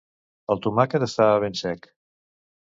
El tomàquet estava ben sec